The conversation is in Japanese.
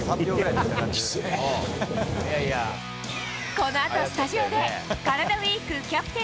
このあとスタジオでカラダＷＥＥＫキャプテン